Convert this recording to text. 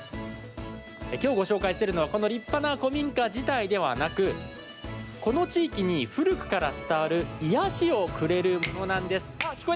今日ご紹介するのはこの立派な古民家自体ではなくこの地域に古くから伝わる準備が整いました。